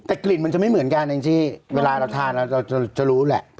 แต่กลิ่นมันจะไม่เหมือนกันแองจี้เวลาเราทานเราจะรู้แหละ